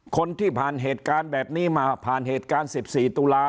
คนที่ผ่านเหตุการณ์แบบนี้มาผ่านเหตุการณ์๑๔ตุลา